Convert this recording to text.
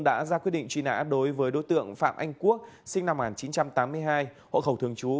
đã ra quyết định truy nã đối với đối tượng phạm anh quốc sinh năm một nghìn chín trăm tám mươi hai hộ khẩu thường trú